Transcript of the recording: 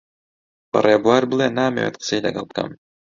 بە ڕێبوار بڵێ نامەوێت قسەی لەگەڵ بکەم.